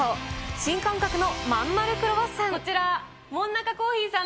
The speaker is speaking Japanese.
新感覚のまんまるクロワッサン。